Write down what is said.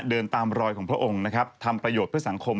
เดินตามรอยของพระองค์นะครับทำประโยชน์เพื่อสังคม